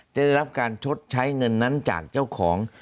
ได้รับการชดใช้เงินนั้นจากเจ้าของ